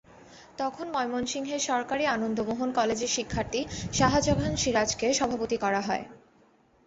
তখন ময়মনসিংহের সরকারি আনন্দ মোহন কলেজের শিক্ষার্থী শাহাজাহান সিরাজকে সভাপতি করা হয়।